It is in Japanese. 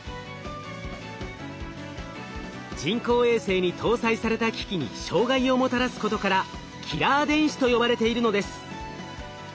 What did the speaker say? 人工衛星に搭載された機器に障害をもたらすことからキラー電子と呼ばれているのです。